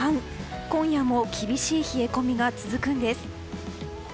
今夜も厳しい冷え込みが続くんです。